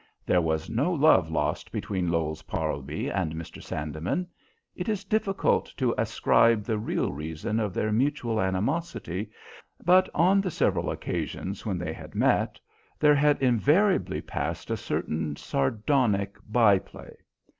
There was no love lost between Lowes Parlby and Mr. Sandeman. It is difficult to ascribe the real reason of their mutual animosity, but on the several occasions when they had met there had invariably passed a certain sardonic by play.